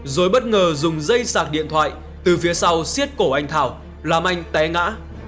rồi bất ngờ dùng dây sạc điện thoại từ phía sau xiết cổ anh thảo làm anh té ngã